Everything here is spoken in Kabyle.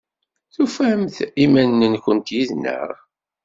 Tufamt iman-nkent yid-neɣ?